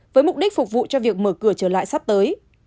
với mục đích phục vụ cho việc mở cửa trở lại sắp tới